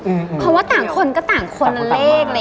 เพราะว่าต่างคนก็ต่างคนละเลขอะไร